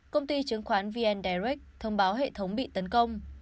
công ty chứng khoán vn direct thông báo hệ thống bị tấn công